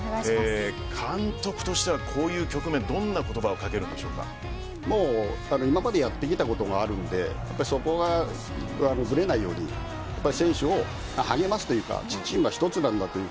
監督としてはこういう局面でどういう言葉を今までやってきたことがあるのでそこは、ぶれないように選手を励ますというかチームは１つなんだと。